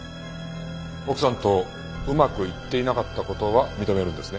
奥さんとうまくいっていなかった事は認めるんですね？